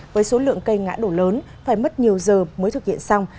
với số lượng cây ngã đổ lớn phải mất nhiều giờ mới thực hiện xong